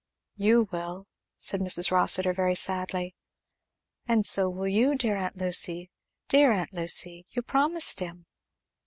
"You will," said Mrs. Rossitur very sadly. "And so will you, dear aunt Lucy, dear aunt Lucy you promised him?"